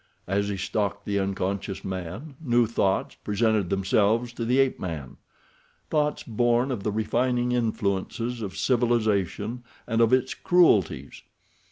As he stalked the unconscious man, new thoughts presented themselves to the ape man—thoughts born of the refining influences of civilization, and of its cruelties.